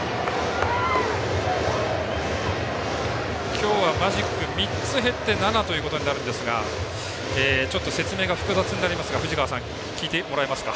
今日はマジック３つ減って７ということになるんですがちょっと説明が複雑になりますが藤川さん聞いてもらえますか。